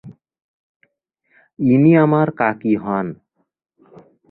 ইনি আমার কাকি হন।